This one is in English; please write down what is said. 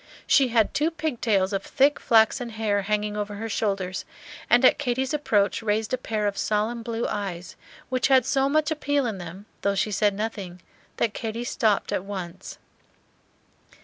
She had two pig tails of thick flaxen hair hanging over her shoulders, and at Katy's approach raised a pair of solemn blue eyes, which had so much appeal in them, though she said nothing, that Katy stopped at once.